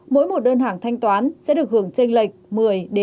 mỗi một đơn hàng thanh toán sẽ được hưởng tranh lệch một mươi một mươi